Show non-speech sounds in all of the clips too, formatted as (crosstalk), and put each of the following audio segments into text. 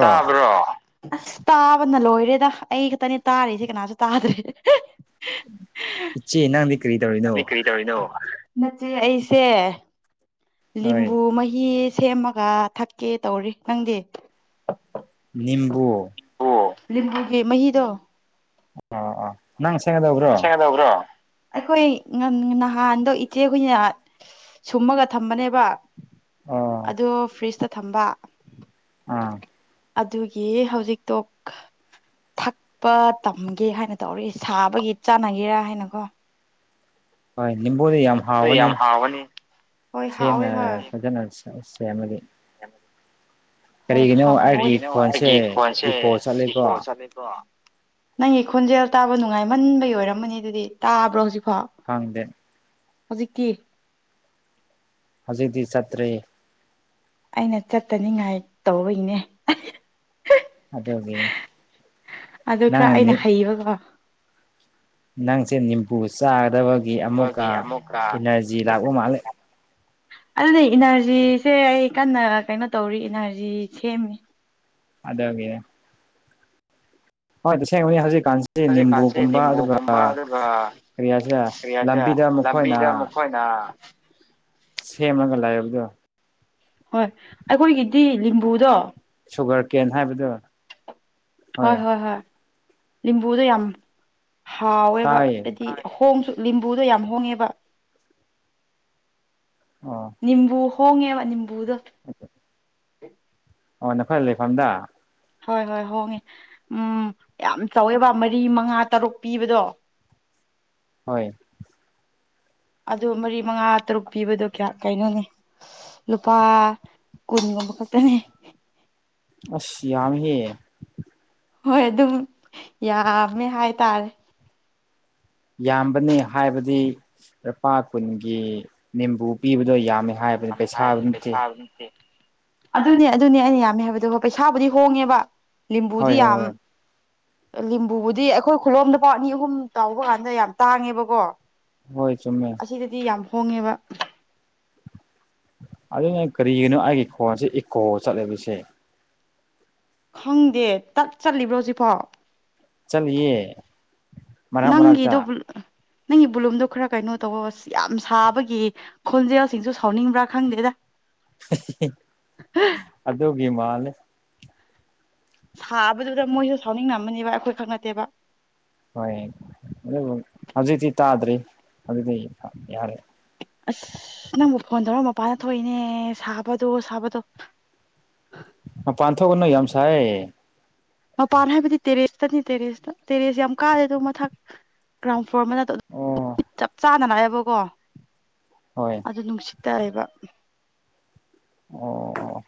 ꯇꯥꯕ꯭ꯔꯣ ꯑꯁ ꯇꯥꯕꯅ ꯂꯣꯏꯔꯦꯗ ꯑꯩ ꯈꯛꯇꯅꯤ ꯇꯥꯔꯤꯁꯦ ꯀꯅꯥꯁꯨ ꯇꯥꯗ꯭ꯔꯦ ꯏꯆꯦ ꯅꯪꯗꯤ ꯀ꯭ꯔꯤ ꯇꯧꯏꯅꫭ ꯧ ꯅꯆꯦ ꯑꯩꯁꯦ ꯍꯣꯏ ꯂꯤꯝꯕꯨ ꯃꯍꯤ ꯁꯦꯝꯃꯒ ꯊꯛꯀꯦ ꯇꯧꯔꯤ ꯅꯪꯗꯤ ꯅꯤꯝꯕꯨ ꯑꯣ ꯂꯤꯝꯕꯨꯨꯒꯤ ꯃꯍꯤꯗꯣ ꯑꯣ ꯑ ꯅꯪ ꯁꯦꯡꯒꯗꯧꯕ꯭ꯔꯣ ꯕ꯭ꯔꯣ ꯑꯩꯈꯣꯏ ꯅꯍꯥꯟꯗꯣ ꯏꯆꯦꯈꯣꯏꯅ ꯁꯨꯝꯃꯒ ꯊꯝꯕꯅꯦꯕ ꯑꯣ ꯑꯗꯣ ꯐ꯭ꯔꯤꯖꯇ ꯊꯝꯕ ꯑꯥ ꯑꯗꯨꯒꯤ ꯍꯧꯖꯤꯛꯇꯣ ꯊꯛꯄ ꯇꯝꯒꯦ ꯍꯥꯏꯅ ꯇꯧꯔꯛꯏꯕ ꯊꯒꯤ ꯆꯥꯟꯅꯒꯦꯔꯥ ꯍꯥꯏꯅ ꯀꯣ ꯍꯣꯏ ꯅꯤꯝꯕꯨꯗꯤ ꯌꯥꯝ ꯍꯣꯏ ꯍꯥꯎꯒꯅꯤ ꯌꯥꯝ ꯍꯥꯎꯒꯅꯤ ꯍꯣꯏ ꯍꯥꯎꯋꯦ ꯁꯦꯡꯅ ꯐꯖꯅ ꯁꯦꯝꯦ ꯑꯃꯒꯤꯒꯤ ꯍ ꯑꯩꯒꯤ ꯍꯒꯤꯣ ꯑꯩꯒꯤ ꯈꯣꯟꯁꯦ ꯐꯣꯟꯁꯦ ꯏꯀꯣ ꯏꯀꯣ ꯆꯠꯂꯦꯀꯣ ꯆꯠꯂꯤ ꯅꯪꯒꯤ ꯈꯣꯟꯖꯦꯜ ꯇꯥꯕ ꯅꯨꯡꯉꯥꯏꯃꯟꯕꯩ ꯑꯣꯏꯔꯝꯃꯅꯤ ꯑꯗꯨꯗꯤ ꯇꯥꯕ꯭ꯔꯣ ꯍꯧꯖꯤꯛꯐꯥꯎ ꯍꯥꯡꯗꯦ ꯍꯧꯖꯤꯛꯇꯤ ꯍꯧꯖꯤꯛꯇꯤ ꯆꯠꯇ꯭ꯔꯦ ꯑꯩꯅ ꯆꯠꯇꯅꯤꯡꯉꯥꯏ ꯇꯧꯕꯒꯤꯅꯦ ꯑꯗꯨꯒꯤꯅꯤ ꯑꯗꯨ ꯈꯔ ꯅꯪꯅ ꯑꯩꯅ ꯍꯩꯕꯀꯣ ꯅꯪꯁꯦ ꯅꯤꯝꯕꯨꯨ ꯆꯥꯒꯗꯕꯒꯤ ꯑꯃꯨꯛꯀ ꯑꯩꯈꯣꯏꯒꯤ ꯑꯃꯨꯛꯀ ꯏꯅꯔꯖꯤ ꯂꯥꯛꯄ ꯃꯥꯂꯦ ꯑꯗꯨꯗꯤ ꯏꯅꯔꯖꯤꯁꯦ ꯑꯩ ꯀꯟꯅ ꯀꯩꯅꯣ ꯇꯧꯔꯤ ꯏꯅꯔꯖꯤ ꯁꯦꯝꯃꯤ ꯑꯗꯒꯦ ꯍꯣꯏ ꯍꯧꯖꯤꯛ ꯀꯥꯟ ꯁꯤ ꯍꯧꯖꯤꯛꯀꯥꯟꯁꯦ ꯅꯤꯝꯕꯨꯒꯨꯝꯕ ꯑꯗꯨꯒ ꯅꯤꯝꯕꯨꯒꯨꯝꯕ ꯑꯗꯨꯒ ꯀꯔꯤꯌꯥꯁꯦ ꯂꯝꯕꯤꯗ ꯃꯈꯣꯏꯅ ꯑ ꯁꯦꯃꯦꯒ ꯂꯒꯕꯨꯖꯣ ꯍꯣꯏ ꯑꯩꯈꯣꯏꯒꯤꯗꯤ ꯂꯤꯕꯨꯗꯣ ꯁꯨꯒꯔ ꯀꯦꯟ ꯍꯥꯏꯕꯗꯣ ꯍꯣꯏ ꯍꯣꯏ ꯍꯣꯏ ꯂꯤꯕꯨꯗꯣ ꯌꯥꯝ ꯍꯥꯎꯋꯦꯕ ꯇꯥꯏꯌꯦ ꯍꯥꯏ ꯍꯣꯡꯁꯨ ꯂꯤꯕꯨꯗꯣ ꯌꯥꯝ ꯍꯣꯡꯉꯦꯕ ꯑꯣ ꯅꯤꯝꯕꯨ ꯍꯣꯡꯉꯦꯕ ꯅꯤꯝꯕꯨꯗꯣ ꯑꯆꯥ (unintelligible) (inaudible) ꯑꯣ ꯅꯈꯣꯏ ꯂꯩꯐꯝꯗ ꯍꯣꯏ ꯍꯣꯏ ꯍꯣꯡꯉꯦ ꯎꯝ ꯌꯥꯝ ꯆꯥꯎꯋꯦ ꯕ ꯃꯔꯤ ꯃꯉꯥ ꯇꯔꯨꯛ ꯄꯤꯕꯗꯣ ꯍꯣꯏ ꯑꯗꯨ ꯃꯔꯤ ꯃꯉꯥ ꯇꯔꯨꯛ ꯄꯤꯕꯗꯣ ꯀꯌꯥ ꯀꯩꯅꯣꯅꯦ ꯂꯨꯄꯥ ꯀꯨꯟꯒꯨꯝꯕ ꯈꯛꯇꯅꯦ ꯑꯁ ꯌꯥꯝ ꯍ ꯍꯣꯏ ꯑꯗꯨꯝ ꯌꯥꯝꯃꯦ ꯍꯥꯏꯇꯥꯔꯦ ꯌꯥꯝꯕꯅꯤ ꯍꯥꯏꯕꯗꯤ ꯂꯨꯄꯥ ꯀꯨꯟꯒꯤ ꯦꯝꯕꯨ ꯄꯤꯕꯗꯣ ꯌꯥꯝꯅꯤ ꯍꯥꯏꯕ ꯍꯥꯏꯕꯅꯤ ꯄꯩꯁꯥꯕ ꯅꯠꯇꯦ ꯑꯗꯨꯅꯦ ꯑꯗꯨꯅꯦ ꯑꯩꯅ ꯌꯥꯝꯃꯦ ꯍꯥꯏꯕꯗ ꯍꯣꯏ ꯄꯩꯁꯥꯕꯨꯗꯤ ꯍꯣꯡꯉꯦꯕ ꯍꯣꯏ ꯂꯤꯝꯕꯨꯗꯤ ꯍꯣꯏ ꯌꯥꯝ ꯍꯣꯏ ꯂꯤꯕꯨꯗꯤ ꯑꯩꯈꯣꯏ ꯈꯨꯂꯣꯝꯗ ꯄꯥꯎ ꯑꯅꯤ ꯑꯍꯨꯝ ꯇꯥꯎꯕ ꯀꯥꯟꯗ ꯌꯥꯝ ꯇꯥꯡꯉꯦꯕꯀꯣ ꯍꯣꯏ ꯆꯨꯝꯃꯦ ꯑꯁꯤꯗꯗꯤ ꯌꯥꯝ ꯍꯣꯡꯉꯦꯕ ꯑꯗꯨꯅ ꯀꯔꯤꯒꯤꯅꯣ ꯑꯩꯒꯤ ꯈꯣꯟꯁꯦ ꯏꯀꯣ ꯆꯠꯂꯦꯕꯁꯦ ꯈꯪꯗꯦ ꯇꯠ ꯆꯠꯂꯤꯕ꯭ꯔꯣ ꯁꯤꯐꯣ ꯆꯠꯂꯤꯌꯦ ꯃꯔꯛ ꯃꯔꯛꯇ ꯅꯪꯒꯤꯗꯨꯕꯨ (unintelligible) ꯅꯪꯒꯤ ꯕꯨꯂꯨꯝꯗꯣ ꯈꯔ ꯀꯩꯅꯣ ꯇꯧꯕ ꯑꯁ ꯌꯥꯝ ꯁꯥꯕꯒꯤ ꯈꯣꯟꯖꯦꯜꯁꯤꯡꯁꯨ ꯁꯥꯎꯅꯤꯡꯕ꯭ꯔꯥ ꯈꯪꯗꯦꯗ ꯑꯗꯨꯒꯤ ꯃꯥꯜꯂꯦ ꯊꯥꯕꯗꯨꯗ ꯃꯣꯏꯁꯨ ꯁꯥꯎꯅꯤꯡꯉꯝꯃꯅꯦꯕ ꯑꯩꯈꯣꯏꯈꯛ ꯅꯠꯇꯦꯕ ꯍꯣꯏ ꯑꯗꯨ ꯍꯧꯖꯤꯛꯇꯗꯤ ꯇꯥꯗ꯭ꯔꯤ ꯑꯗꯨꯗꯤ ꯌꯥꯔꯦ ꯑꯁ ꯅꯪꯕꯨ ꯐꯣꯟ ꯇꯧꯔ ꯃꯄꯥꯟꯗ ꯊꯣꯛꯏꯅꯦ ꯁꯥꯕꯗꯣ ꯁꯥꯕꯗꯣ ꯄꯥꯟꯊꯣꯛꯒꯅꯣ ꯌꯥꯝ ꯁꯥꯏꯌꯦ ꯃꯄꯥꯟ ꯍꯥꯏꯕꯗꯤ ꯇꯦꯔꯦꯁꯇꯅꯤ ꯇꯦꯔꯦꯁꯇ ꯇꯦꯔꯦꯁ ꯌꯥꯝ ꯀꯥꯗꯦ ꯑꯗꯨ ꯃꯊꯛ ꯒ꯭ꯔꯥꯎꯟ ꯐ꯭ꯂꯣꯔ ꯑꯃ ꯑꯣ (unintelligible) ꯆꯞ ꯆꯥꯟꯅꯑꯌꯦꯕꯀꯣ ꯍꯣꯏ ꯑꯗꯨ ꯅꯨꯡꯁꯤꯠ ꯇꯑꯦꯕ ꯑꯣ ꯑꯣ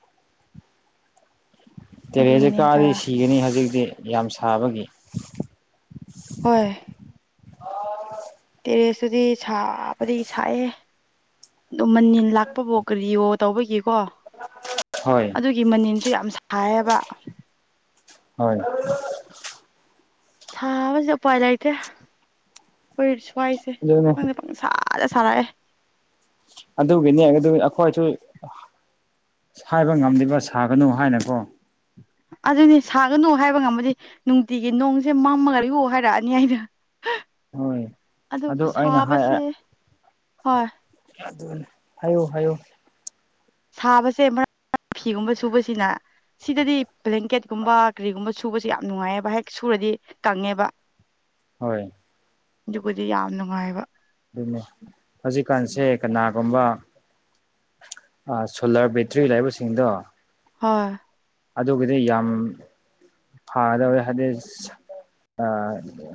ꯇꯦꯔꯦꯖꯁꯦ ꯑꯗꯨꯒꯤꯅꯦꯗ ꯀꯥꯔꯗꯤ ꯁꯤꯒꯅꯤ ꯍꯧꯖꯤꯛꯇꯤ ꯌꯥꯝ ꯁꯥꯕꯒꯤ ꯍꯣꯏ ꯇꯦꯔꯦꯁꯇꯨꯗꯤ ꯁꯥꯕꯗꯤ ꯁꯥꯏꯑꯦ ꯑꯗꯨ ꯃꯅꯤꯜ ꯂꯥꯛꯄꯐꯥꯎ ꯀ꯭ꯔꯤꯌꯣ ꯇꯧꯕꯒꯤꯀꯣ ꯍꯣꯏ ꯑꯗꯨꯒꯤ ꯃꯅꯤꯟꯁꯨ ꯌꯥꯝ ꯁꯥꯏꯌꯦꯕ ꯍ ꯁꯥꯕꯁꯦ ꯎꯄꯥꯏ ꯂꯩꯇꯦ ꯍꯣꯏ ꯁ꯭ꯋꯥꯏꯁꯦ ꯑꯗꯨꯅꯦ ꯈꯪꯗ ꯁꯖꯦ ꯁꯥꯔꯛꯑꯦ ꯑꯗꯨꯒꯤꯅꯦ ꯑꯗꯨ ꯑꯩꯈꯣꯏꯁꯨ ꯍꯥꯏꯕ ꯉꯝꯗꯦꯕ ꯁꯥꯒꯅꯨ ꯍꯥꯏꯅꯀꯣ ꯑꯗꯨꯅꯤ ꯁꯥꯒꯅꯨ ꯍꯥꯏꯕ ꯉꯝꯃꯗꯤ ꯅꯨꯡꯇꯤꯒꯤ ꯅꯣꯡꯁꯦ ꯃꯝꯃꯒ ꯌꯨ ꯍꯥꯏꯔꯛꯑꯅꯤ ꯑꯩꯅ (unintelligible) ꯍꯣꯏ ꯑꯗꯨ ꯁꯥꯕꯁꯦ ꯍꯣꯏ ꯑꯗꯨꯅꯦ ꯍꯥꯏꯌꯨ ꯍꯥꯏꯌꯨ ꯁꯥꯕꯁꯦ ꯃ (unintelligible) ꯐꯤꯒꯨꯝꯕ ꯁꯨꯕꯁꯤꯅ ꯁꯤꯗꯗꯤ ꯕ꯭ꯂꯦꯡꯀꯦꯠꯀꯨꯝꯕ ꯀꯔꯤꯒꯨꯝꯕ ꯁꯨꯕꯁꯦ ꯌꯥꯝ ꯅꯨꯡꯉꯥꯏꯌꯦꯕ ꯍꯦꯛ ꯁꯨꯔꯗꯤ ꯀꯪꯉꯦꯕ ꯍꯣꯏ ꯑꯗꯨꯕꯨꯗꯤ ꯌꯥꯝ ꯅꯨꯡꯉꯥꯏꯕ ꯑꯗꯨꯅꯦ ꯍꯧꯖꯤꯛꯀꯥꯟꯁꯦ ꯀꯅꯥꯒꯨꯝꯕ ꯑ ꯁꯣꯂꯥꯔ ꯕꯦꯇ꯭ꯔꯤ ꯂꯩꯥꯕꯁꯤꯡꯗꯣ ꯍꯣꯏ ꯑꯗꯨꯒꯤꯗꯤ ꯌꯥꯝ ꯐꯥꯒꯗꯧꯔꯦ ꯍꯥꯏꯗꯤ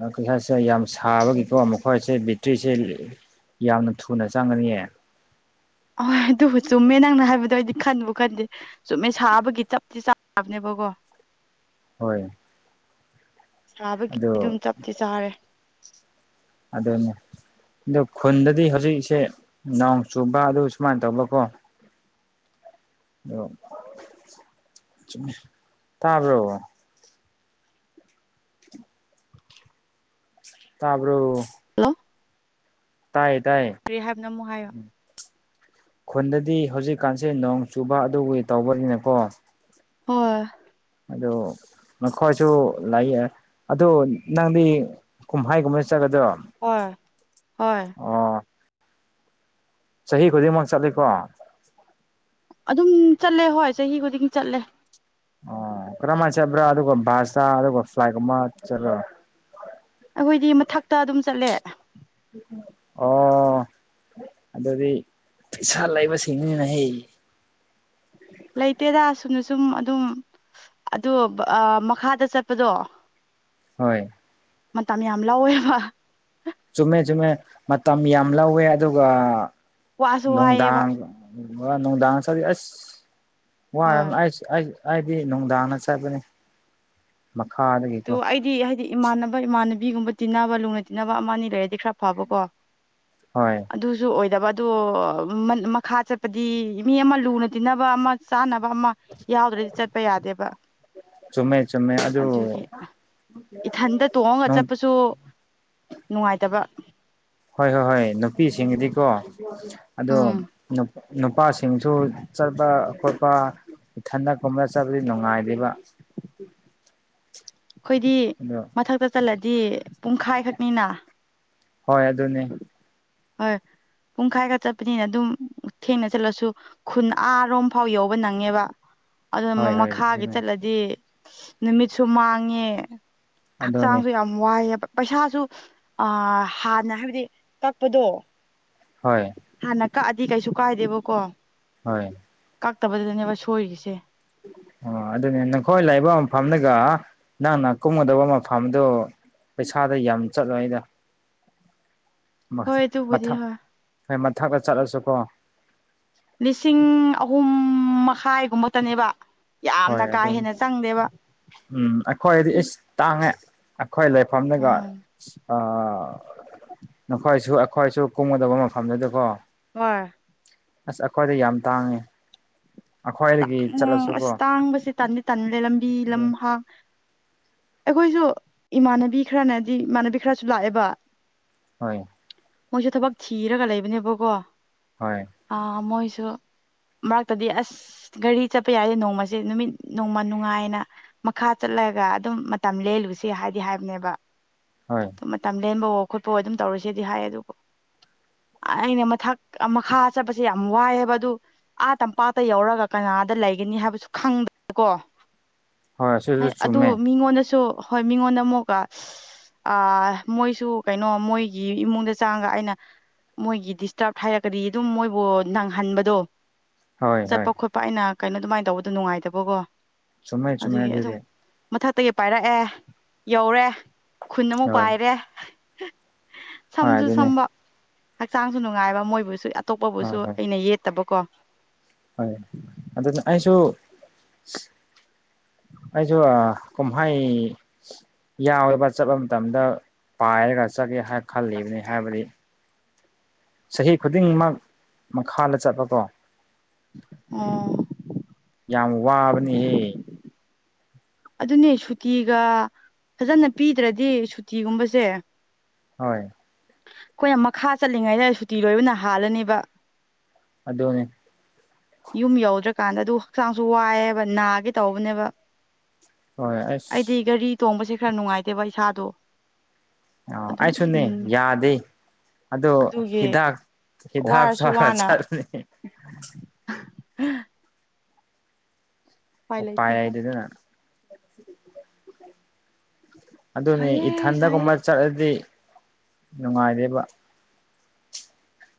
ꯑ ꯀꯔꯤ ꯍꯥꯏꯁꯤꯔ ꯌꯥꯝ ꯁꯥꯕꯒꯤꯀꯣ ꯃꯈꯣꯏꯁꯦ ꯕꯦꯠꯇ꯭ꯔꯤꯁꯦ ꯌꯥꯝꯅ ꯊꯨꯅ ꯆꯪꯒꯅꯤꯌꯦ ꯑꯍꯣꯏ ꯑꯗꯨꯕꯨ ꯆꯨꯝꯃꯦ ꯅꯪꯅ ꯍꯥꯏꯕꯗꯣ ꯑꯣꯏꯗꯤ ꯈꯟꯕꯨ ꯈꯟꯗꯦ ꯆꯨꯝꯃꯦ ꯁꯥꯕꯒꯤ ꯆꯞꯇꯤ ꯆꯥꯕꯅꯦꯕꯀꯣ ꯍꯣꯏ ꯁꯥꯕꯒꯤ ꯑꯗꯨ ꯑꯗꯨꯝ ꯆꯞꯇꯤ ꯆꯥꯔꯦ ꯑꯗꯨꯅꯦ ꯑꯗꯨ ꯈꯨꯟꯗꯗꯤ ꯍꯧꯖꯤꯛꯁꯦ ꯅꯣꯡ ꯆꯨꯕ ꯑꯗꯨ ꯁꯨꯃꯥꯏꯅ ꯇꯧꯕꯀꯣ ꯗꯣ ꯆꯨꯝꯃꯦ ꯇꯕꯔꯣ ꯇꯕꯔꯣ ꯍꯜꯂꯣ ꯇꯥꯏꯌꯦ ꯇꯥꯏꯌꯦ ꯀꯔꯤ ꯍꯥꯏꯕꯅꯣ ꯑꯃꯨꯛ ꯍꯥꯏꯌꯣ ꯈꯨꯟꯗꯗꯤ ꯍꯧꯖꯤꯛꯀꯥꯟꯁꯦ ꯅꯣꯡ ꯆꯨꯕ ꯑꯗꯨꯒꯤ ꯇꯧꯕꯅꯤꯅꯀꯣ ꯍꯣꯏ ꯑꯗꯨ ꯅꯈꯣꯏꯁꯨ ꯂꯥꯛꯌꯦ ꯑꯗꯨ ꯅꯪꯗꯤ ꯀꯨꯝꯍꯥꯏ ꯀꯨꯝꯍꯩ ꯆꯠꯂꯗ꯭ꯔꯣ ꯍꯣꯏ ꯍꯣꯏ ꯆꯍꯤ ꯈꯨꯗꯤꯡꯃꯛ ꯆꯠꯂꯤꯀꯣ ꯑꯗꯨꯝ ꯆꯠꯂꯦ ꯍꯣꯏ ꯆꯍꯤ ꯈꯨꯗꯤꯡ ꯆꯠꯂꯦ ꯑꯣ ꯀ꯭ꯔꯃꯥ ꯆꯕ꯭ꯔ ꯑꯗꯨꯒ ꯚꯁꯥ ꯑꯗꯨꯒ ꯐ꯭ꯂꯥꯏꯒꯨꯝꯕ ꯆ꯭ꯠꯕꯔ ꯑꯩꯈꯣꯏꯗꯤ ꯃꯊꯛꯇ ꯑꯗꯨꯝ ꯆꯠꯂꯦ ꯑꯣ ꯑꯗꯨꯗꯤ ꯄꯤꯁꯥ ꯂꯩꯕꯁꯤꯡꯅꯤꯅ ꯍꯦ ꯂꯩꯇꯦꯗ ꯁꯨꯝꯅ ꯁꯨꯝ ꯑꯗꯨꯝ ꯑꯗꯨ ꯕꯑ ꯃꯈꯥꯗ ꯆꯠꯄꯗꯣ ꯍꯣꯏ ꯃꯇꯝ ꯌꯥꯝ ꯂꯧꯋꯦꯕ ꯆꯨꯝꯃꯦ ꯆꯨꯝꯃꯦ ꯃꯇꯝ ꯌꯥꯝ ꯂꯧꯋꯦ ꯑꯗꯨꯒ ꯋꯥꯁꯨ ꯋꯥꯏꯑꯦꯕ ꯅꯨꯡꯗꯥꯡ ꯋꯥ ꯅꯣꯡꯗꯥ ꯆꯗꯤ ꯑꯁ ꯍꯣꯏ ꯋꯥꯔꯝ ꯑꯩꯁ ꯑꯩ ꯑꯩꯗꯤ ꯅꯨꯡꯗꯥꯡꯗ ꯆꯠꯕꯅꯤ ꯃꯈꯥꯗꯒꯤꯀꯣ ꯗꯤ ꯍꯥꯏꯗꯤ ꯏꯃꯥꯟꯅꯕ ꯏꯃꯥꯟꯅꯕꯤꯒꯨꯝꯕ ꯇꯤꯟꯅꯕ ꯂꯨꯅ ꯇꯤꯟꯅꯕ ꯑꯃ ꯑꯅꯤ ꯂꯩꯔꯗꯤ ꯈꯔ ꯐꯕꯀꯣ ꯍꯣꯏ ꯑꯗꯨꯁꯨ ꯑꯣꯏꯗꯕ ꯑꯗꯣ ꯃꯟ ꯃꯈꯥ ꯆꯠꯄꯗꯤ ꯃꯤ ꯑꯃ ꯂꯨꯅ ꯇꯤꯟꯅꯕ ꯑꯃ ꯆꯥꯅꯕ ꯑꯃ ꯌꯥꯎꯗ꯭ꯔꯗꯤ ꯆꯠꯄ ꯌꯥꯗꯦꯕ ꯆꯨꯝꯃꯦ ꯆꯨꯝꯃꯦ ꯑꯗꯨ ꯏꯊꯟꯗ ꯇꯣꯡꯉꯒ ꯍꯣꯏ ꯆꯠꯄꯁꯨ ꯅꯨꯡꯉꯥꯏꯇꯕ ꯍꯣꯏ ꯍꯣꯏ ꯍꯣꯏ ꯅꯨꯄꯤꯁꯤꯡꯒꯤꯗꯤꯀꯣ ꯑꯗꯨ ꯎꯝ ꯅꯨꯞ ꯅꯨꯄꯥꯁꯤꯡꯁꯨ ꯆꯠꯄ ꯈꯣꯠꯄ ꯏꯊꯟꯗ ꯀꯨꯝꯕ ꯆꯠꯄꯗꯤ ꯅꯨꯡꯉꯥꯏꯗꯤꯕ ꯑꯩꯈꯣꯏꯗꯤ ꯑꯗꯣ ꯃꯊꯛꯇ ꯆꯠꯂꯗꯤ ꯄꯨꯡꯈꯥꯏꯈꯛꯅꯤꯅ ꯍꯣꯏ ꯑꯗꯨꯅꯦ ꯍꯣꯏ ꯄꯨꯡꯈꯥꯏ ꯈ ꯆꯠꯄꯅꯤꯅ ꯑꯗꯨꯝ ꯊꯦꯡꯅ ꯆꯠꯂꯁꯨ ꯈꯨꯟ ꯑꯔꯣꯝ ꯐꯥꯎ ꯌꯧꯕ ꯅꯪꯉꯦꯕ ꯑꯗꯨꯅ ꯍꯣꯏ ꯍꯣꯏ ꯃꯈꯥꯒꯤ ꯑꯗꯨꯅꯤ ꯆꯠꯂꯗꯤ ꯅꯨꯃꯤꯠꯁꯨ ꯃꯥꯡꯉꯦ ꯑꯗꯨꯅꯤ ꯍꯛꯆꯥꯡꯁꯨ ꯌꯥꯝ ꯋꯥꯏꯑꯕ ꯄꯩꯁꯥꯁꯨ ꯍꯥꯟꯅ ꯍꯥꯏꯕꯗꯤ ꯆꯠꯄꯗꯣ ꯍꯣꯏ ꯍꯥꯟꯅ ꯀꯛꯑꯗꯤ ꯀꯩꯁꯨ ꯀꯥꯏꯗꯦꯕꯀꯣ ꯍꯣꯏ ꯀꯛꯇꯕꯗꯨꯗꯅꯦꯕ ꯁꯣꯏꯔꯤꯁꯦ ꯑꯣ ꯑꯗꯨꯅꯦ ꯅꯈꯣꯏ ꯂꯩꯕ ꯃꯐꯝꯗꯨꯒ ꯅꯪꯅ ꯀꯨꯝꯒꯗꯕ ꯃꯐꯝꯗꯨ ꯄꯩꯁꯥꯗ ꯌꯥꯝ ꯆꯠꯂꯣꯢꯗ ꯍꯣꯏ ꯑꯗꯨꯕꯨꯗꯤ ꯃꯊꯛ ꯍꯣꯏ ꯍꯣꯏ ꯃꯊꯛꯇ ꯆꯠꯂꯁꯨꯀꯣ ꯂꯤꯁꯤꯡ ꯑꯍꯨꯝ ꯃꯈꯥꯏꯒꯨꯝꯕꯇꯅꯦꯕ ꯍꯣꯏ ꯌꯥꯝꯅ ꯀꯥ ꯑꯗꯨꯅꯤ ꯍꯦꯟꯅ ꯆꯪꯗꯦꯕ ꯎꯝ ꯑꯩꯈꯣꯏꯗꯤ ꯏꯁ ꯇꯥꯡꯉꯦ ꯑꯩꯈꯣꯏ ꯂꯩꯐꯝꯗꯒ ꯎꯝ ꯑ ꯅꯈꯣꯏꯁꯨ ꯑꯩꯈꯣꯏꯁꯨ ꯀꯨꯝꯒꯗꯕ ꯃꯐꯝꯗꯨꯗꯤꯀꯣ ꯍꯣꯢ ꯑꯁ ꯑꯩꯈꯣꯏꯗꯤ ꯌꯥꯝ ꯇꯥꯡꯉꯦ ꯑꯩꯈꯣꯏꯗꯒꯤ ꯆꯠꯂꯁꯨꯀꯣ ꯍꯥꯡꯕꯁꯦ ꯇꯟꯗꯤ ꯇꯟꯂꯦ ꯂꯝꯕꯤ ꯑꯗꯨ ꯂꯝꯍꯥꯡ ꯑꯩꯈꯣꯏꯁꯨ ꯏꯃꯥꯟꯅꯕꯤ ꯈꯔꯅꯗꯤ ꯏꯃꯥꯟꯅꯕꯤ ꯈꯔꯁꯨ ꯂꯥꯛꯑꯦꯕ ꯍꯣꯏ ꯃꯣꯏꯁꯨ ꯊꯕꯛ ꯊꯤꯔꯒ ꯂꯩꯕꯅꯦꯕꯀꯣ ꯍꯣꯏ ꯑ ꯃꯣꯏꯁꯨ ꯃꯔꯛꯇꯗꯤ ꯑꯁ ꯒꯥꯔꯤ ꯆꯠꯄ ꯌꯥꯔꯗꯤ ꯅꯣꯡꯃꯁꯦ ꯅꯨꯃꯤꯠ ꯅꯣꯡꯃ ꯅꯨꯡꯉꯥꯏꯅ ꯃꯈꯥ ꯆꯠꯂꯒ ꯑꯗꯨꯝ ꯃꯇꯝ ꯂꯦꯜꯂꯨꯁꯤ ꯍꯥꯏꯗꯤ ꯍꯥꯏꯕꯅꯦꯕ ꯍꯣꯏ ꯑꯗꯨ ꯃꯇꯝ ꯂꯦꯟꯕꯋꯣ ꯈꯣꯠꯄꯋꯣ ꯑꯗꯨꯝ ꯇꯧꯔꯁꯦꯗꯤ ꯍꯥꯏ ꯑꯗꯨꯕꯨ ꯑꯩꯅ ꯃꯊꯛ ꯃꯈꯥ ꯆꯠꯄꯁꯦ ꯌꯥꯝ ꯋꯥꯏꯑꯕ ꯑꯗꯨ ꯑꯥ ꯇꯝꯄꯥꯛꯇ ꯌꯧꯔꯒ ꯀꯅꯥꯗ ꯂꯩꯒꯅꯤ ꯍꯥꯏꯕꯁꯨ ꯈꯪꯕꯀꯣ ꯑꯁꯤꯁꯨ ꯍꯣꯏ ꯑꯗꯨ ꯆꯨꯝꯃꯦ ꯃꯤꯉꯣꯟꯗꯁꯨ ꯍꯣꯏ ꯃꯤꯉꯣꯟꯗ ꯑꯃꯨꯛꯀ ꯑ ꯃꯣꯏꯁꯨ ꯀꯩꯅꯣ ꯃꯣꯏꯒꯤ ꯏꯃꯨꯡꯗ ꯆꯥꯡꯉꯒ ꯑꯩꯅ ꯃꯣꯏꯒꯤ ꯗꯤꯁꯇꯔꯕ ꯍꯥꯏꯔꯒꯗꯤ ꯑꯗꯨꯝ ꯃꯣꯏꯕꯨ ꯅꯪꯍꯟꯕꯗꯣ ꯍꯣꯏ ꯍꯣꯏ ꯆꯠꯄ ꯈꯣꯠꯄ ꯑꯩꯅ ꯀꯩꯅꯣ ꯑꯗꯨꯃꯥꯏꯅ ꯇꯧꯕꯗꯣ ꯅꯨꯡꯉꯥꯏꯇꯕꯀꯣ ꯆꯨꯝꯃꯦ ꯆꯨꯝꯃꯦ ꯑꯗꯨꯒꯤ ꯑꯗꯨꯝ ꯑꯗꯨꯗꯤ ꯃꯊꯛꯇꯒꯤ ꯄꯥꯏꯔꯛꯑꯦ ꯌꯧꯔꯦ ꯈꯨꯟ ꯑꯃꯨꯛ ꯍꯣꯏ ꯄꯥꯏꯔꯦ ꯍꯣꯏ ꯁꯝꯁꯨ ꯑꯗꯨꯅꯤ ꯁꯝꯕ ꯍꯛꯆꯥꯡꯁꯨ ꯅꯨꯡꯉꯥꯏꯕ ꯃꯣꯏꯕꯨꯁꯨ ꯑꯇꯣꯞꯄꯕꯨꯁꯨ ꯍꯣꯏ ꯍꯣꯏ ꯑꯩꯅ ꯌꯦꯠꯇꯕꯀꯣ ꯍꯣꯏ ꯑꯗꯨ ꯑꯩꯁꯨ ꯑꯩꯁꯨ ꯀꯨꯝꯍꯩ ꯌꯥꯎꯋꯦꯕ ꯆꯠꯄ ꯃꯇꯝꯗ ꯄꯥꯏꯔꯒ ꯆꯠꯒꯦ ꯍꯥꯏ ꯈꯜꯂꯤꯕꯅꯤ ꯍꯥꯏꯕꯗꯤ ꯆꯍꯤ ꯈꯨꯗꯤꯡꯃꯛ ꯃꯈꯥꯗ ꯆꯠꯄ ꯀꯣ ꯑꯣ ꯌꯥꯝ ꯋꯥꯕꯅꯤꯍꯦ ꯑꯗꯨꯅꯦ ꯁꯨꯇꯤꯒ ꯐꯖꯅ ꯄꯤꯗ꯭ꯔꯗꯤ ꯁꯨꯇꯤꯒꯨꯝꯕꯁꯦ ꯍꯣꯏ ꯑꯩꯈꯣꯏꯅ ꯃꯈꯥ ꯆꯠꯂꯤꯉꯩꯗ ꯁꯨꯇꯤ ꯂꯣꯏꯕꯅ ꯍꯥꯜꯂꯅꯦꯕ ꯑꯗꯨꯅꯦ ꯌꯨꯝ ꯌꯧꯗ꯭ꯔꯀꯥꯟꯗ ꯑꯗꯨ ꯍꯛꯆꯥꯡꯁꯨ ꯋꯥꯏꯑꯦꯕ ꯅꯥꯒꯦ ꯇꯧꯕꯅꯦꯕ ꯍꯣꯏ ꯑꯁ ꯑꯩꯗꯤ ꯒꯥꯔꯤ ꯇꯣꯡꯕꯁꯦ ꯈꯔ ꯅꯨꯡꯉꯥꯏꯇꯦꯕ ꯏꯁꯥꯗꯣ ꯑ ꯑꯗꯨꯝ ꯑꯩꯁꯨꯅꯦ ꯎꯝ ꯌꯥꯗꯦ ꯑꯗ ꯑꯗꯨꯒꯤ ꯍꯤꯗ ꯍꯤꯗꯥꯛ ꯋꯥꯔꯁꯨ ꯆꯔꯒ ꯆꯠꯂꯦ ꯍꯥ (inaudible) ꯂꯩꯇꯦ ꯍꯣꯏ ꯑꯣꯄꯔꯥꯏꯗꯗꯅ ꯑꯗꯨꯅꯦ ꯁꯥꯏꯌꯦ ꯁꯥꯏꯌꯦ ꯏꯊꯟꯗꯒꯨꯝꯕ ꯆꯠꯂꯗꯤ ꯅꯨꯡꯉꯥꯏꯗꯦꯕ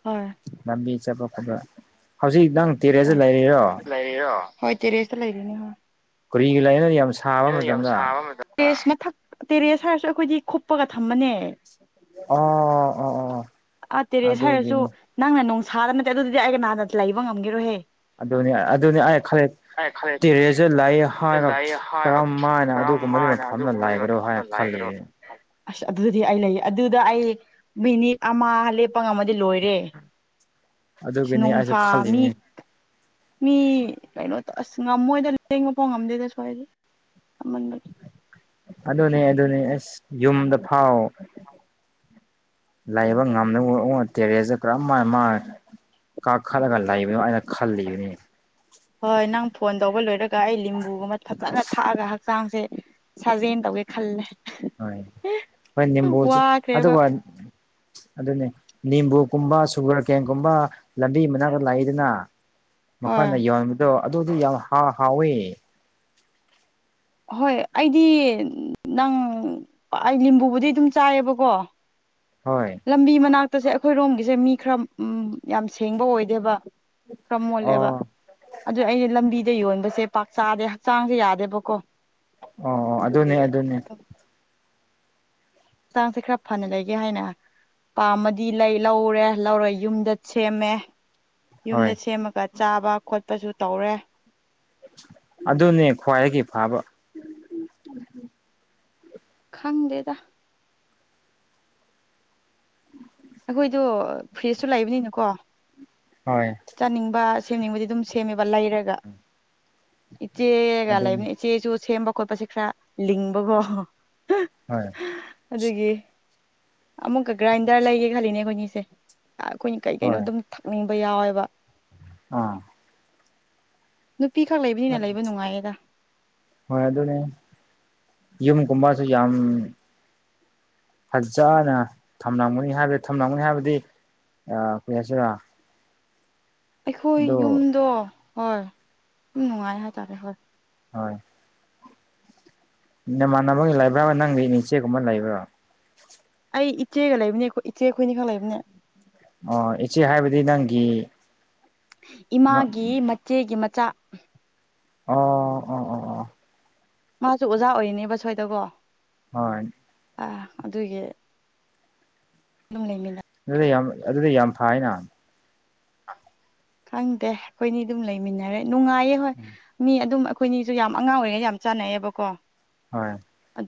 ꯍꯣꯏ ꯂꯝꯕꯤ ꯆꯠꯄ ꯈꯨꯠ ꯍꯧꯖꯤꯛ ꯅꯪ ꯇꯦꯔꯦꯖ ꯂꯩꯔꯤꯔꯣ ꯍꯣꯏ ꯇꯦꯔꯦꯁ ꯂꯩꯔꯤꯅꯤ ꯍꯣꯏ ꯀꯔꯤꯒꯂꯩꯅ ꯑꯝ ꯑꯩꯅ ꯌꯥꯝꯕ ꯇꯦꯦꯁ ꯃꯊꯛ ꯇꯦꯔꯦꯁ ꯍꯥꯏꯔꯁꯨ ꯑꯩꯈꯣꯏꯗꯤ ꯈꯞꯄꯒ ꯊꯝꯃꯅꯦ ꯑꯣ ꯑꯣ ꯑꯣ ꯑꯥ ꯇꯦꯔꯦꯁ ꯍꯥꯏꯔꯁꯨ ꯑꯗꯨꯒꯤꯅꯤ ꯅꯪꯅ ꯅꯣꯡꯁꯥꯗ ꯅꯠꯇꯦ ꯑꯗꯨꯗꯨꯗꯤ ꯑꯩꯒ ꯅꯍꯥꯟꯗ ꯂꯩꯕ ꯉꯝꯈꯤꯔꯣꯍꯦ ꯑꯗꯨꯅꯤ ꯑꯗꯨꯅꯤ ꯑꯩ ꯈꯂꯛ ꯇꯦꯔꯦꯁꯨ ꯂꯑ ꯈꯜꯂꯦ ꯍꯥꯏꯒ ꯂꯩ ꯍꯥꯏꯔꯒ ꯀꯔꯝ ꯃꯥꯏꯅ ꯀꯔꯝ ꯑꯗꯨꯒꯨꯝꯕꯗꯨ ꯍꯥꯏꯅ ꯃꯐꯝꯝꯅ ꯑꯗꯨꯒꯨꯝꯕꯗꯤ ꯂꯩꯒꯗꯅꯣ ꯃꯐꯝꯗ ꯍꯥꯏꯅ ꯈꯜꯂꯤ ꯂꯩꯒꯦꯔꯣ ꯑꯁ ꯑꯗꯨꯗꯤ ꯑꯩ ꯂꯩꯌꯦ ꯑꯗꯨꯗ ꯑꯩ ꯃꯤꯅꯤꯠ ꯑꯃ ꯂꯦꯞꯄ ꯉꯝꯃꯗꯤ ꯂꯣꯏꯔꯦ ꯑꯗꯨꯒꯤꯅꯤ ꯑꯩꯁꯨ ꯅꯨꯡꯁꯥ ꯃꯤ ꯈꯜꯂꯤꯅꯤ ꯃꯤ ꯀꯩꯅꯣꯗ ꯑꯁ ꯉꯝꯃꯣꯏꯗꯅ ꯂꯦꯡꯉꯐꯥꯎ ꯉꯝꯗꯦꯗ ꯁ꯭ꯋꯥꯏꯗꯦꯟꯕꯒꯤ ꯑꯗꯨꯅꯦ ꯑꯗꯨꯅꯦ ꯑꯁ ꯌꯨꯝꯗ ꯐꯥꯎ ꯂꯩꯕ ꯉꯝꯅꯕ ꯎꯛꯑꯣ ꯇꯦꯔꯦꯁꯁ ꯀꯔꯝ ꯍꯥꯏꯥꯏꯅ ꯃꯥ ꯀꯥꯈꯠꯂꯒ ꯂꯩꯕꯅꯣ ꯑꯩꯅ ꯈꯜꯂꯤꯕꯅꯤ ꯍꯣꯏ ꯅꯪ ꯐꯣꯟ ꯇꯧꯕ ꯂꯣꯏꯔꯒ ꯑꯩ ꯂꯤꯕꯨꯒꯨꯝꯕ ꯐꯖꯅ ꯊꯥꯛꯑꯒ ꯍꯛꯆꯥꯡꯁꯦ ꯁꯥꯖꯅ ꯇꯧꯒꯦ ꯈꯜꯂꯦ ꯑ ꯐꯟꯝ ꯄꯨꯖ ꯑ ꯋꯥꯈ꯭ꯔꯦꯕ ꯑꯗꯨꯅꯦ ꯅꯤꯝꯕꯨꯀꯨꯝꯕ ꯁꯨꯒꯔ ꯀꯦꯟꯒꯨꯝꯕ ꯂꯝꯕꯤ ꯃꯅꯥꯛꯇ ꯂꯥꯛꯏꯗꯅ ꯍꯣꯏ ꯃꯈꯣꯏꯅ ꯌꯣꯟꯕꯗꯣ ꯑꯗꯨꯗꯤ ꯌꯥꯝ ꯍꯥꯎ ꯍꯥꯎꯋ ꯍꯣꯏ ꯑꯩꯗꯤ ꯅꯪ ꯑꯩ ꯂꯤꯕꯨꯗꯤ ꯑꯗꯨꯝ ꯆꯥꯏꯌꯦꯕꯀꯣ ꯍꯣꯏ ꯂꯝꯕꯤ ꯃꯅꯥꯛꯇꯁꯦ ꯑꯩꯈꯣꯏꯔꯣꯝꯒꯤꯁꯦ ꯃꯤ ꯈꯔ ꯎꯝ ꯌꯥꯝ ꯁꯦꯡꯕ ꯑꯣꯏꯗꯦꯕ ꯈꯔ ꯃꯣꯜꯂꯦꯕ ꯑꯣ ꯑꯗꯨ ꯑꯩꯅ ꯂꯝꯕꯤꯗ ꯌꯣꯟꯕꯁꯦ ꯄꯥꯛ ꯆꯥꯗꯦ ꯍꯛꯆꯥꯡꯁꯦ ꯌꯥꯗꯦꯕꯀꯣ ꯑꯣ ꯑꯣ ꯑꯗꯨꯒꯤ ꯑꯗꯨꯅꯦ ꯑꯗꯨꯅꯦ ꯑꯗꯨꯝ ꯍꯛꯆꯥꯡꯁꯦ ꯈꯔ ꯐꯅ ꯂꯩꯒꯦ ꯍꯥꯏꯅ ꯄꯥꯝꯃꯗꯤ ꯂꯩ ꯂꯧꯔꯦ ꯂꯧꯔ ꯌꯨꯝꯗ ꯁꯦꯝꯃꯦ ꯍꯣꯏ ꯌꯨꯝꯗ ꯁꯦꯝꯃꯒ ꯆꯥꯕ ꯈꯣꯠꯄꯁꯨ ꯇꯧꯔꯦ ꯑꯗꯨꯅꯦ ꯈ꯭ꯋꯥꯏꯗꯒꯤ ꯐꯕ ꯈꯪꯗꯦꯗ ꯑꯩꯈꯣꯏꯗꯣ ꯐ꯭ꯔꯤꯖꯇꯨ ꯂꯩꯕꯅꯤꯅꯀꯣ ꯍꯣꯏ ꯆꯥꯅꯤꯡꯕ ꯁꯦꯝꯅꯤꯡꯕꯗꯤ ꯑꯗꯨꯝ ꯁꯦꯝꯃꯦꯕ ꯂꯩꯔꯒ ꯏꯆꯦꯒ ꯑꯗꯨꯅꯤ ꯂꯩꯕꯅꯤ ꯏꯆꯦꯁꯨ ꯁꯦꯝꯕ ꯈꯣꯠꯄꯁꯦ ꯈꯔ ꯂꯤꯡꯕꯀꯣ ꯍ ꯑꯗꯨꯒꯤ ꯑꯃꯨꯛꯀ ꯒ꯭ꯔꯥꯏꯟꯗꯔ ꯂꯩꯒꯦ ꯈꯜꯂꯤꯅꯦ ꯑꯩꯈꯣꯏꯅꯤꯁꯦ ꯑꯩꯈꯣꯏꯅ ꯀꯩ ꯀꯩꯅꯣ ꯍꯣꯏ ꯑꯗꯨꯝ ꯊꯛꯅꯤꯡꯕ ꯌꯥꯎꯋꯦꯕ ꯑꯥ ꯅꯨꯄꯤꯈꯛ ꯂꯩꯕꯅꯤꯅ ꯂꯩꯕ ꯅꯨꯡꯉꯥꯏꯌꯦꯗ ꯍꯣꯏ ꯑꯗꯨꯅꯦ ꯌꯨꯝꯒꯨꯝꯕꯁꯨ ꯌꯥꯝ ꯐꯖꯅ ꯊꯝꯂꯝꯒꯅꯤ ꯍꯥꯏꯕꯗꯤ ꯊꯝꯂꯝꯒꯅꯤ ꯍꯥꯏꯕꯗꯤ ꯑ ꯀꯣꯏꯌꯥꯁꯤꯔ ꯑꯩꯈꯣꯏ ꯌꯨꯝꯗꯣ ꯍꯣꯏ ꯁꯨꯝ ꯅꯨꯡꯉꯥꯏ ꯍꯥꯏꯇꯥꯔꯦ ꯍꯣꯏ ꯍꯣꯏ ꯅꯃꯥꯟꯃꯒꯤ ꯂꯩꯕ꯭ꯔꯥ ꯅꯪꯒꯤ ꯏꯆꯦꯒꯨꯝꯕ ꯂꯩꯕ꯭ꯔꯣ ꯑꯩ ꯏꯆꯦꯒ ꯂꯩꯕꯅꯦ ꯑꯩꯈꯣꯏ ꯏꯆꯦꯈꯣꯏꯅꯤ ꯈ ꯂꯩꯕꯅꯦ ꯑꯣ ꯏꯆꯦ ꯍꯥꯏꯕꯗꯤ ꯅꯪꯒꯤ ꯏꯃꯥꯒꯤ ꯃꯆꯦꯒꯤ ꯃꯆꯥ ꯑꯣ ꯑꯣ ꯑꯣ ꯑꯣ ꯃꯥꯁꯨ ꯑꯣꯖꯥ ꯑꯣꯏꯅꯦꯕ ꯁꯋꯥꯏꯗꯀꯣ ꯍꯣꯏ ꯑꯥ ꯑꯗꯨꯒꯤ ꯂꯨꯝꯅꯤꯡꯉꯤꯗ ꯑꯗꯨꯗ ꯌꯥꯝ ꯑꯗꯨꯗꯤ ꯌꯥꯝ ꯐꯥꯏꯅ ꯈꯪꯗꯦ ꯑꯩꯈꯣꯏꯅꯤ ꯑꯗꯨꯝ ꯂꯩꯃꯤꯟꯅꯔꯦ ꯅꯨꯡꯉꯥꯏꯌꯦ ꯍꯣꯏ ꯃꯤ ꯑꯗꯨꯝ ꯑꯩꯈꯣꯏꯅꯤꯁꯨ ꯌꯥꯝ ꯑꯉꯥꯡ ꯑꯣꯏꯔꯤꯉꯩ ꯌꯥꯝ ꯆꯥꯟꯅꯩꯌꯦꯕꯀꯣ꯫ ꯍꯣꯏ